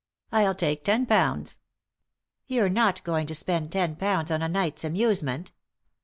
I'll take ten pounds." "You're not going to spend ten pounds on a night's amusement